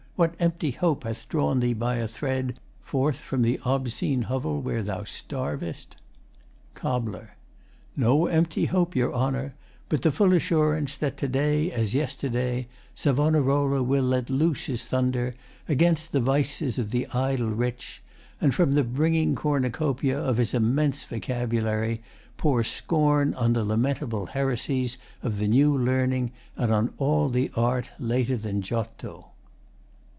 What empty hope hath drawn thee by a thread Forth from the OBscene hovel where thou starvest? COB. No empty hope, your Honour, but the full Assurance that to day, as yesterday, Savonarola will let loose his thunder Against the vices of the idle rich And from the brimming cornucopia Of his immense vocabulary pour Scorn on the lamentable heresies Of the New Learning and on all the art Later than Giotto.